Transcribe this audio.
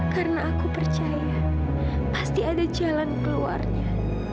karena aku percaya pasti ada jalan keluarnya